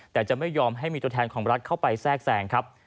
แต่จะไม่ยอมให้มีตัวแทนของรัฐเข้าไปแทรกแสงครับ